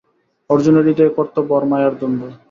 অর্জুনের হৃদয়ে কর্তব্য আর মায়ার দ্বন্দ্ব।